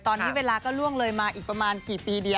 ตอนนี้เวลาก็ล่วงเลยมาอีกประมาณกี่ปีเดียว